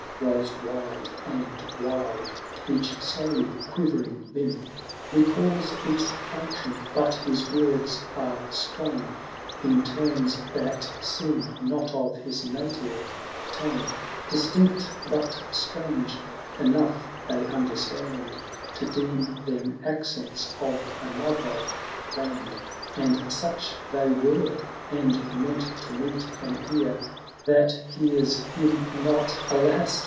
Rolls wide and wild; each slowly quivering limb Recalls its function, but his words are strung In terms that seem not of his native tongue; 230 Distinct but strange, enough they understand To deem them accents of another land ; And such they were, and meant to meet an ear That hears him not — alas